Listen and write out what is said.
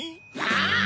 ああ！